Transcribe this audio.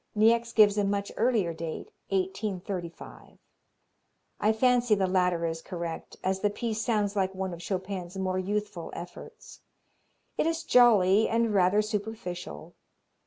Niecks gives a much earlier date, 1835. I fancy the latter is correct, as the piece sounds like one of Chopin's more youthful efforts. It is jolly and rather superficial.